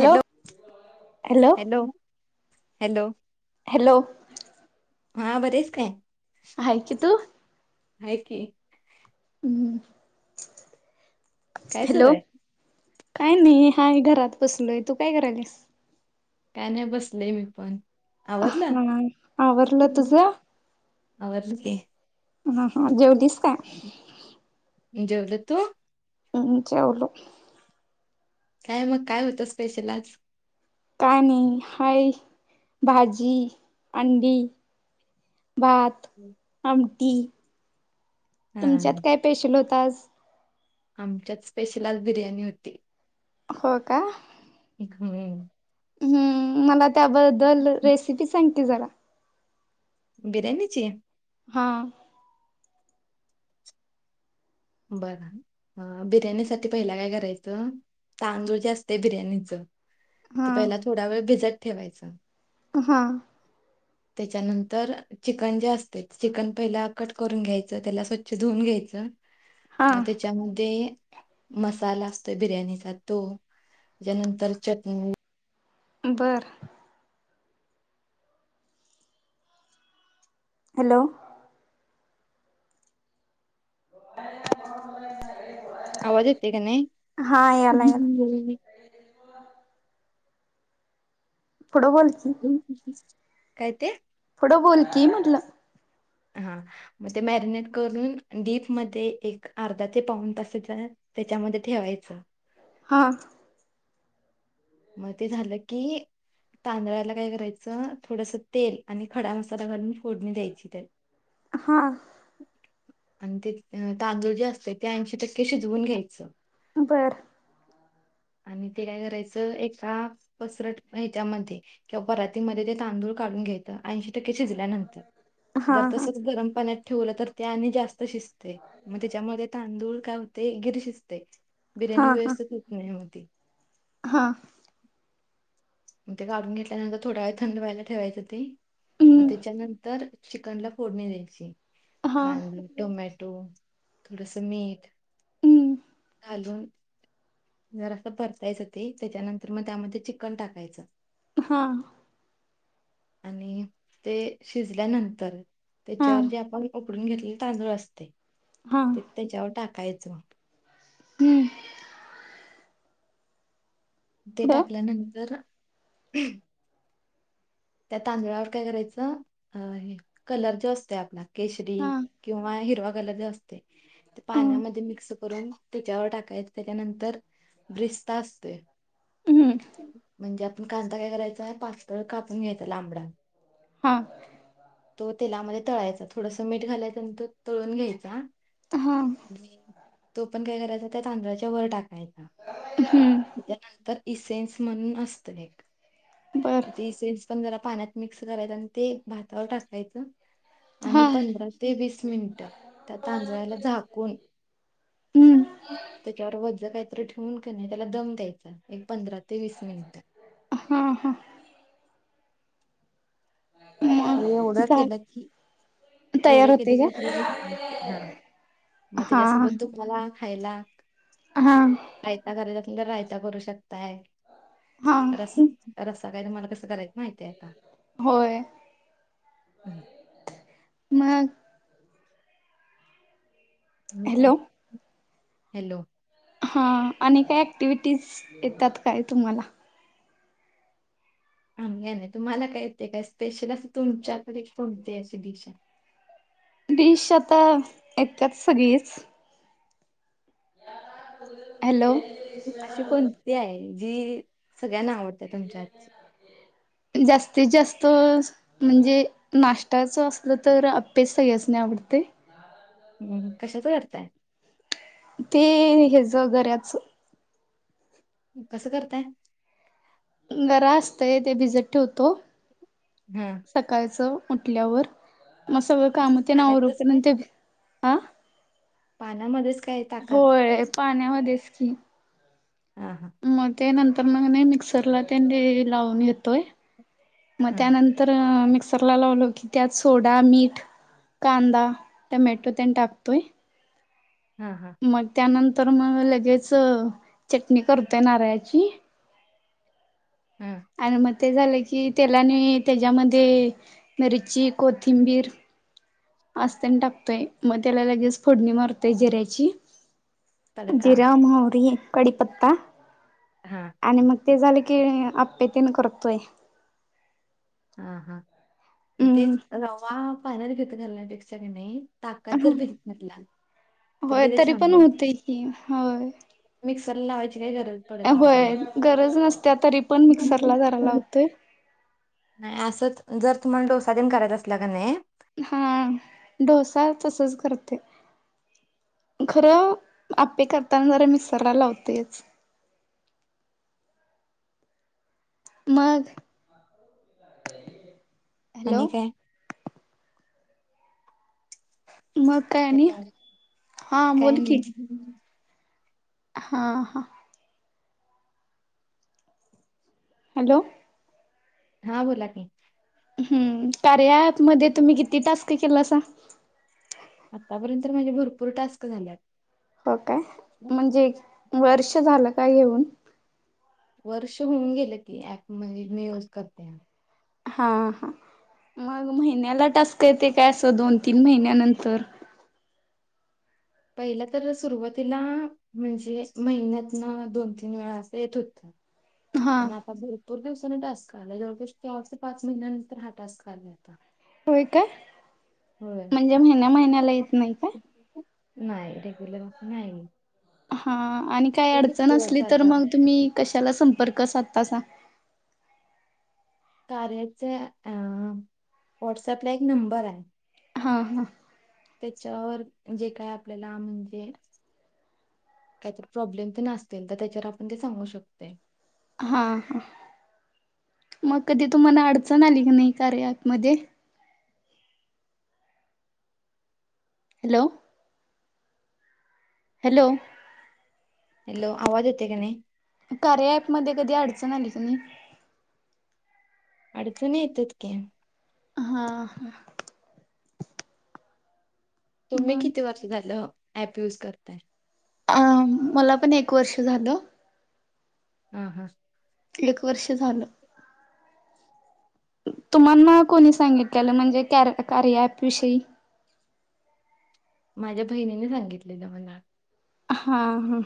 Hello hello hello! Hello! हा बरी हायस काय? आहे की तू? हाय की. हम्म काय सुरू हॅलो आहे काय नाही, हाय घरात बसलोय तू काय करायलास. काय? नाही बसले मी पण. आवरला हा आवरलं तुझं? आवरल की. हा हा जेवलीस काय? मी जेवलो तू? हम् जवलो. काय मग काय होतं, स्पेशल आज? कायणी हय भाजी, अंडी. भात. ह [unintelligible] आमटी, तुमच्यात हा काय पेशल होत आज? आमच्यात स्पेशल आज बिर्याणी होती. हो का? होय. हम्म मला त्याबद्दल हम्म रेसिपी सांगते जरा. बिर्याणीची? हा बर, बिर्याणी साठी पहिला काय करायचं तांदूळ जे असत बिर्याणीचं. हा ते पहिला थोडा वेळ भिजत ठेवायचं. हा [unintelligible] त्याच्यानंतर चिकन जे असतय, चिकन पहिला कट करून घ्यायचं त्याला स्वच्छ धुवून घ्यायचं. हा म त्याची त्यामध्ये मसाला असतो बिर्याणीचा तो त्यानंतर चटणी बरं. हॅलो. [inaudible] आवाज येतोय का नाही? हा याला याला पुड बोल की काय ते पुड बोल क मनल हा मग ते मॅरिनेट करून डीप मध्ये एक अर्धा ते पाऊन तासचा त्याच्यामध्ये ठेवायचं. हां. म ते झालं की. तांदळाला काय करायचं थोडस तेल आणि खडा मसाला घालून फोडणी द्यायची त्या [unintelligible] हा. आणि ते तांदूळ जे असतय ते ऐंशी टक्के शिजवून घ्यायचं. बरं. आणि ते काय करायचं? एका पसरट हेच्यामध्ये किंवा परातीमध्ये ते तांदूळ काढून घ्यायचं ऐंशी टक्के शिजल्यानंतर हा जर हा तच गरम पाण्यात ठेवल तर शिजतय म त्याच्यामध्ये तांदूळ काय होतय गिर शिजतय हा बिर्याणी व्यवस्थित हो मेहनती हां. म ते काढून घेतल्यानंतर, थोडा वेळ थंड व्हायला ठेवायचं ते म हम्म त्याच्यानंतर चिकनला फोडणी द्यायची. हा कांदा, टोमॅटो थोडस मीठ हम्म घालून जरास परतायचं ते, त्याच्यानंतर म त्यामध्ये चिकन टाकायचं. हा. आणि ते शिजल्यानंतर हा त्याच्यावर जे आपण उकडून घेतलेले तांदूळ असतय. हा. त्याच्यावर टाकायचं. हम [inaudible] ते टाकल्यानंतर त्या तांदळावर काय करायचं अ हे कलर जो असतोय आपला केशरी हा किंवा हिरवा कलर जो असतोय, ते हम्म पाण्यामध्ये मिक्स करून त्याच्यावर टाकायचं, त्याच्यानंतर ब्रिस्ता असतो हा म्हणजे म कांदा काय करायचां पाताळ कापून घ्यायचा लांबडा हा. तो तेलामध्ये तळायचा थोडस मीठ घालायचं, आणि तो तळून घ्यायचा. हा. तो पण काय करायचा, त्या तांदळाच्या वर टाकायचा हम्म. त्यानंतर इसेन्स म्हणून असत एक बर [inaudible] ते इसेन्स पण जरा पाण्यात मिक्स करायचं, आणि ते भातावर टाकायचं हा आणि पंधरा वीस ते वीस मिनिटं त्या तांजळाला झाकून हम्म त्याच्यावर वज काहीतरी ठेवून. का नाही त्याला दम द्यायचा एक पंधरा ते वीस मिनिट. हा, हा. मग एवढ जा केल की तयार एवढं होते क का आप [unintelligible] ह मग हा त्याच्यासोबत दुमला खायला हा. एका बरबरला रायता करू शकताय हा तर असं रस्सा काय तुमला कंस करायचं माहितीय आता. होय हं. [inaudible] मग. म काय हॅलो [inaudible] हॅलो. हा आणि काय ऍक्टिव्हटीज येतात ताई तुम्हाला. नाही, नाही तुम्हाला काय, काय स्पेशल असं तुमच्याकडे कोणती? अशी डिश आहे. डीश आता येतात सगळीच. [inaudible] हॅलो आशी कोणती आहे. जी सगळ्यांना आवडते तुमच्या हातची. जास्तीत, जास्त. म्हणजे नाश्ट्ययाचं असलं तर आपे सगळ्यासनीच आवडते. ह कशाच करताय? ते हरभऱ्याच. कसं करताय? घरा असतेय ते भिजत ठेवतो. हा. सकाळचं उठल्यावर मग सगळं काम नं ते आवरून पाण्यातच पुन्हा ते अं पानामध्येच काय ताकात होय पाण्यामध्येच की हां हं मग ते नंतर मग नाही मिक्सरला ते लावून घेतोय मग हा त्यानं तर मिक्सर ला लावल की त्यात सोडा मीठ कांदा टमॅटो तेनं टाकतोय. हा हा मग त्यानंतर मग लगेच चटणी करतोय नारळाची हं आणि मग ते झालं की तेलाने त्याच्यामध्ये मिरची कोथिंबीर असतंनं टाकतोय मग त्याला लगेच फोडणी मारतोय जीऱ्याची तडका जीरा, मौहरी, कडीपत्ता हा आणि मग ते झालं की आप्पे तेन करतोय. हा हा मग हम्म तेच रवा फायनल घेत घालण्यापेक्षा की नाही ताकात जर भिजत घातला तर होय ते ते तरी छान पण होतंय होतय की होय. मिक्सर लावायची त्याला होय गरज नसत्या तरी पण मिक्सरला जरा लावते. नाही असंच जर तुम्हाला डोसा दिन करायचा असला की नाही. हा डोसा तसच करते खरं आप्पे करताना जरा मिक्सरला लावतेच मग आणि हॅलो काय मग काय आणि हॅलो हा बोल काय की नाही हा हा हॅलो हा बोला की. हम्म कार्या एॅप मध्ये तुम्ही किती टास्क केलासा? आतापर्यंत तर माझे भरपूर टास्क झाल्यात. हो काय म्हणजे वर्ष झालं काय घेऊन? वर्ष होऊन गेलं की ऍप म्हणजे मी यूज करतेया. हां हां मग महिन्याला टास्क येते काय असं दोन तीन महिन्यानंतर? पहिला तर सुरुवातीला म्हणजे, महिन्यात तीन वेळा असं येत होतं. [inaudible] हा पण आता भरपूर दिवसानी टास्क आलाय. जवळजास चार ते पाच महिन्यानंतर हा टास्क आला आता. होय काय? होय. म्हणजे महिन्या महिन्याला येत नाही का? नाही रेगुलेर असं नाही. हा आणि काही तुम्ही किती अडचण दिवस असली तर झालं मग तुम्ही कशाला संपर्क साधतासा. कार्याच्या अं व्हॉट्सअपला एक नंबर आहे. हं हं. त्याच्यावर जे काय आपल्याला म्हणजे काहीतरी प्रॉब्लेम तेन आसतील तर त्याच्यावर आपण ते सांगू शकतयं. हा हं. मग कधी तुम्हाला अडचण आली का नाही कार्य अॅपमध्ये? हॅलो हॅलो हॅलो, आवाज येतय का नाई? कार्या ऍपमध्ये कधी अडचण आली क नी अडचणी येतात की, हा हा तुम्ही मग किती वर्ष झालं ऍप युज करताय? अ, मला पण एक वर्ष झालं. हा हा एक वर्ष झालं. तुम्हाना कोणी सांगितलेलं म्हणजे कॅरं कार्या ॲप विषयी? माझ्या बहिणीने सांगितलेलं मना. हा हं,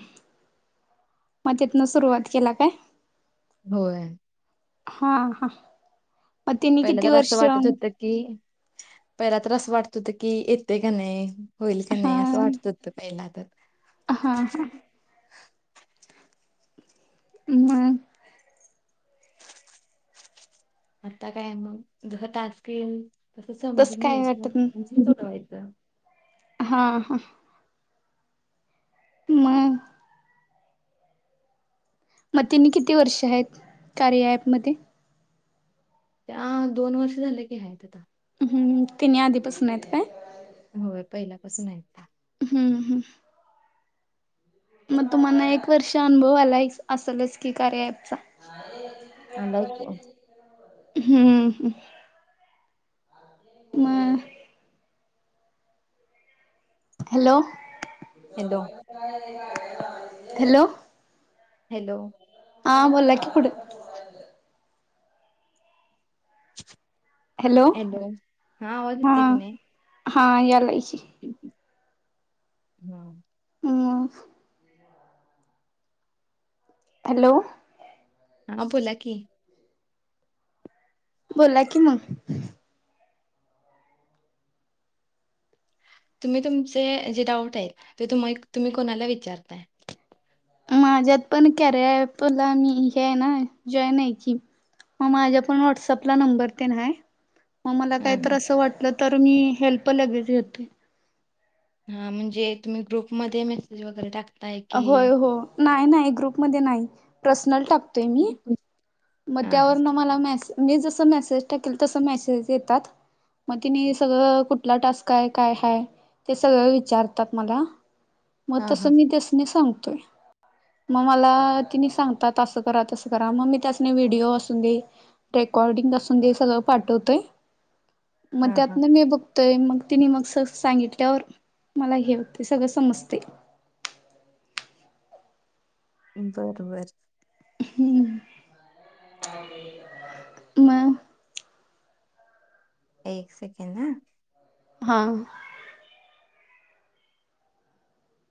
म तीतना सुरुवात केला काय? होय. हा हा, म तिनी पहिला किती तर वर्ष असं वाटत होतं की, पहिला तर असं वाटत होतं की, येते का नाय, होईल का हा नाय, असं वाटत होत तं पहिला तर हा हा. मग आता काय मंग, जसां टास्क येईल. तसं तस समजून काय घ्यायचं वाटत नाही. अनं [unintelligible] हा हा मग म तिनी किती वर्ष हायेत कार्य ॲप मध्ये त्या दोन वर्ष झाले की हायेत आता हम्म, तिनी आधीपासन येत काय? होयं. पहिल्यापासून आहेत त्या हूं हूं म तुम्हाना एक वर्ष अनुभव आलाय असलच की, कार्या अँपचा. आलाय की हम्म हं म हॅलो हॅलो हॅलो हॅलो आं बोला की पुढं हॅलो एलो हा, आवाज येतोयं की नायं. हां यालायं की, हां म हॅलो हा बोला की, बोला की म तुम्ही तुमचे जे डाऊट येत. ते तुम तुम्ही कोणाला विचारताय? माझ्यात पण कार्या अँप ला मी हे हाय ना जॉईन आय की, म माझ्या पण व्हॉट्सअपला नंबर तेनं हाय मग मला हा कायतर हा असं वाटलं तर मी हेल्प लगेचं घेतोय. हा म्हणजे तुम्ही ग्रुपमध्ये मेसेज वगैरे टाक अ होय हो नाय नाय ग्रुपमध्ये नाई पर्सनल टाप [inaudible] मग त्यावरन मला मेसे मी जस मेसेज टाकेल तस मेसेज येतात. मग तिने सगळं कुठला टास्क हाय, काय हय? ते सगळं विचारतात मला म हा तसं मी त्यासनी सांगतोय. मग मला तिने सांगतात असं करा तसं करा मग मी त्यास व्हिडिओ असून दे रेकॉर्डिंग असून दे सगळं पाठवतय. मग हा त्यात हा ना मी बघ तोय मग तिने मग स सांगितल्यावर मला हे हुते सगळं समजते. बरं बरं. हम्म. [unintelligible] [inaudible] मग. एक सेकेंद हा. हा.